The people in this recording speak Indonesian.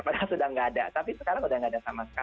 padahal sudah nggak ada tapi sekarang sudah tidak ada sama sekali